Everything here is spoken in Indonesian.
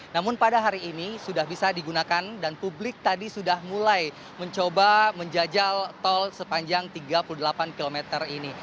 namun pada hari ini sudah bisa digunakan dan publik tadi sudah mulai mencoba menjajal tol sepanjang tiga puluh delapan km ini